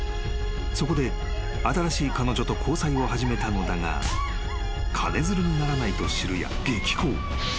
［そこで新しい彼女と交際を始めたのだが金づるにならないと知るや激高］